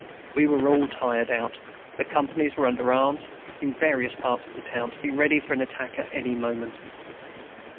We were all tired out; the companies were under arms, in various parts of the town, to be ready for an attack at any moment.